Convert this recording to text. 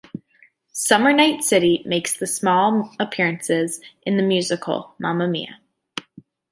"Summer Night City" makes small appearances in the musical "Mamma Mia!".